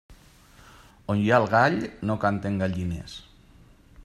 On hi ha el gall, no canten gallines.